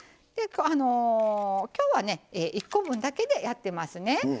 今日は１個分だけでやってますね。